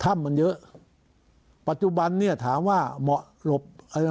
ถ้ำมันเยอะปัจจุบันเนี่ยถามว่าเหมาะหลบ